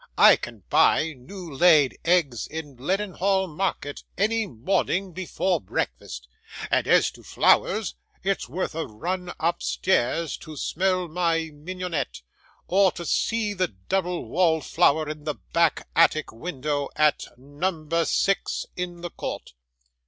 I can buy new laid eggs in Leadenhall Market, any morning before breakfast; and as to flowers, it's worth a run upstairs to smell my mignonette, or to see the double wallflower in the back attic window, at No. 6, in the court.